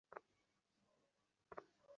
এর ভেতরে ভদকা আছে তো?